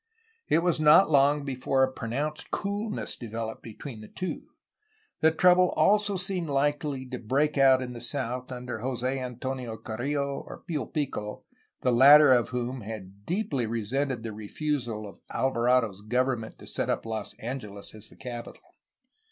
It was not long before a pro nounced coolness developed beteen the two. Trouble also seemed likely to break out in the south under Jos6 Antonio Carrillo or Pio Pico the latter of whom had deeply resented the refusal of Alvarado's government to set up Los Angeles as the capital.